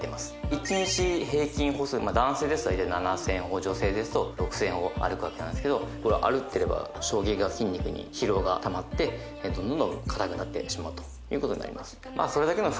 １日平均歩数男性ですと大体７０００歩女性ですと６０００歩歩くわけなんですけどこれは歩いていれば衝撃が筋肉に疲労がたまってどんどん硬くなってしまうということになります